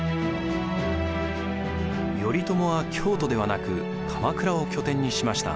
頼朝は京都ではなく鎌倉を拠点にしました。